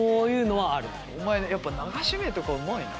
お前やっぱ流し目とかうまいな。